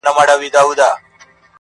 د تجلیلولو لپاره هیڅ ډول مراسم نه لري -